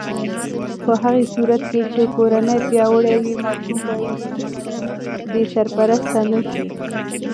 په هغه صورت کې چې کورنۍ پیاوړې وي، ماشوم به بې سرپرسته نه شي.